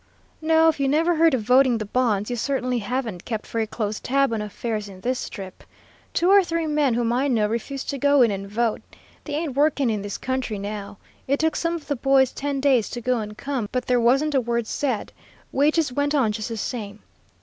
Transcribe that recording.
"No, if you never heard of voting the bonds you certainly haven't kept very close tab on affairs in this Strip. Two or three men whom I know refused to go in and vote. They ain't working in this country now. It took some of the boys ten days to go and come, but there wasn't a word said. Wages went on just the same.